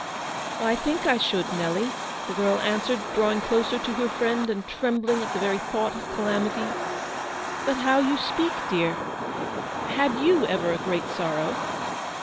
" I think I should, Nelly," the girl answered, drawing closer to her friend, and trembling at the very thought of calamity ;" but how you speak, dear. Had you ever a great sorrow?"